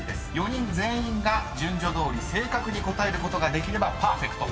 ４人全員が順序どおり正確に答えることができればパーフェクト。